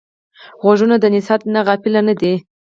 غوږونه د نصیحت نه غافل نه دي